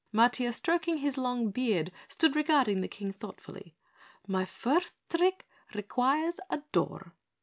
Matiah stroking his long beard stood regarding the King thoughtfully. "My first trick requires a door."